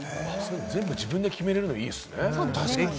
全部自分で決められるのはいいですね。